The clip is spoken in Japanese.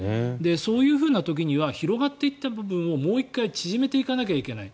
そういう時には広がっていった部分をもう１回縮めていかないといけない。